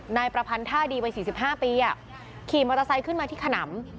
นายประพันธ์ท่าดีวัย๔๕ปีขี่มอเตอร์ไซค์ขึ้นมาที่ขนำ